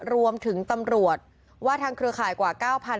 รวมถึงตำรวจว่าทางเครือข่ายกว่า๙๓๘๘